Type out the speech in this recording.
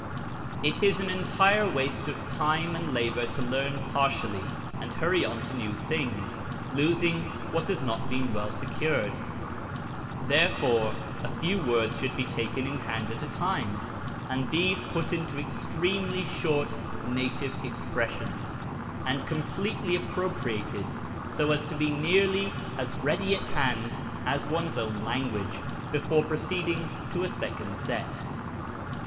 It is entire waste of time and labour to learn partially and hurry on to new things, losing what has not been well secured; therefore a few words should be taken in hand at a time, and these put into extremely short native expressions, and completely appro priated, so as to be nearly as ready at hand as one's own language, before proceeding to a second set.